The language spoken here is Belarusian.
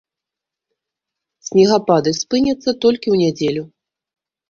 Снегапады спыняцца толькі ў нядзелю.